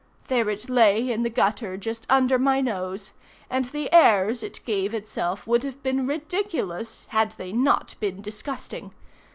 There it lay in the gutter just under my nose, and the airs it gave itself would have been ridiculous had they not been disgusting.